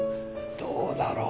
どうだろう？